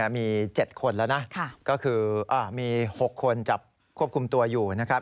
มี๗คนแล้วนะก็คือมี๖คนจับควบคุมตัวอยู่นะครับ